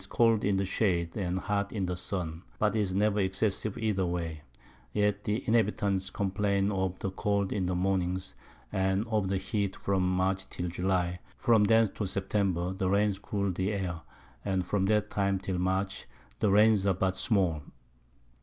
_ cold in the Shade, and hot in the Sun, but is never excessive either way; yet the Inhabitants complain of the Cold in the Mornings, and of the Heat from March till July; from thence to September the Rains cool the Air, and from that time till March the Rains are but small.